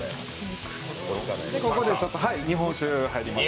ここで日本酒、入ります。